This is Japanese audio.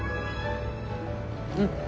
うん。